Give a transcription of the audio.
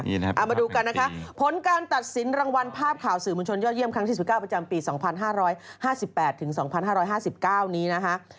เอามาดูกันนะคะผลการตัดสินรางวัลภาพข่าวสื่อมวลชนยอดเยี่ยมครั้งที่๑๙ประจำปี๒๕๕๘ถึง๒๕๕๙นี้นะคะ